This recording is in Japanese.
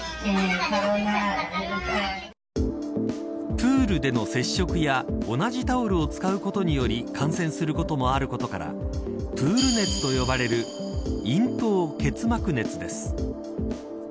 プールでの接触や同じタオルを使うことにより感染することもあることからプール熱と呼ばれる咽頭結膜熱です。